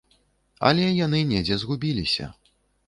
Але яны недзе згубіліся.